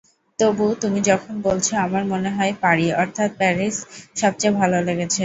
তবু তুমি যখন বলছ, আমার মনে হয়—পারি, অর্থাৎ প্যারিস সবচেয়ে ভালো লেগেছে।